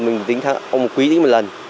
mình tính ông quý tính một lần